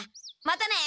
またね！